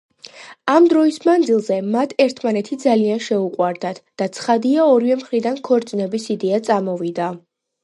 ამ დროის მანძილზე, მათ ერთმანეთი ძალიან შეუყვარდათ და ცხადია ორივე მხრიდან ქორწინების იდეა წამოვიდა.